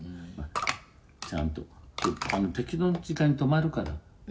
「ちゃんと適度な時間に止まるから」